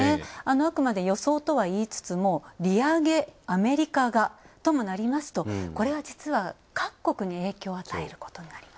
あくまで予想とは言いつつも利上げ、アメリカが、ともなりますとこれは、実は、各国に影響を与えることになります。